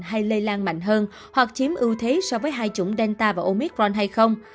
hay lây lan mạnh hơn hoặc chiếm ưu thế so với hai chủng delta và omitron hay không